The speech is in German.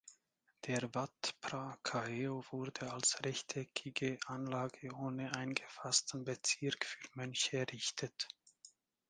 Der Wat Phra Kaeo wurde als rechteckige Anlage ohne eingefassten Bezirk für Mönche errichtet.